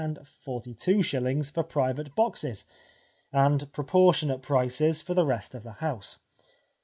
and 42s. for private boxes, and proportionate prices for the rest of the house.